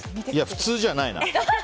普通じゃないな。